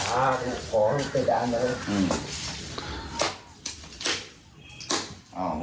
อ่าของใส่ด้านมาเลย